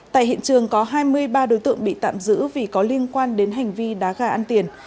tại hiện trường có hai mươi ba đối tượng bị tạm giữ vì có liên quan đến hành vi đá gà ăn tiền